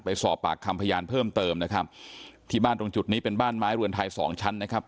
ไปสอบปากคำพยานเพิ่มเติมนะครับที่บ้านตรงจุดนี้เป็นบ้านไม้เรือนไทยสองชั้นนะครับ